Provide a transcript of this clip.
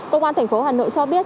công an thành phố hà nội cho biết